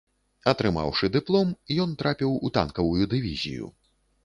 Атрымаўшы дыплом, ён трапіў у танкавую дывізію.